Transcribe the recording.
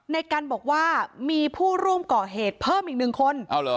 ในกันบอกว่ามีผู้ร่วมก่อเหตุเพิ่มอีกหนึ่งคน